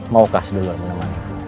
maukah sedulur menemani